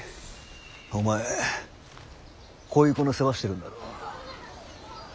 お前こういう子の世話してるんだろ。